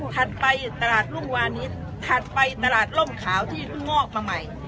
ถัดไปตลาดรุ่งวานิสถัดไปตลาดร่มขาวที่เพิ่งงอกมาใหม่